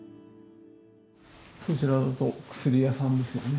こちらだと薬屋さんですよね。